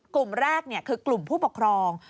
กลุ่มแรกคือกลุ่มผู้ปกครอง